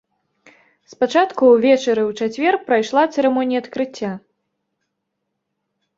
Спачатку ўвечары ў чацвер прайшла цырымонія адкрыцця.